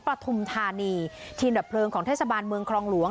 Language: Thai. นี่สิด้านประธุมธารณีทีมดับพลงของเทศบาลเมืองคลองหลวง